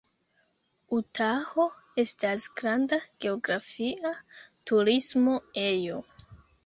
Utaho estas granda geografia turismo ejo.